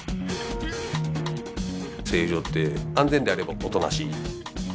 製油所って安全であればおとなしい。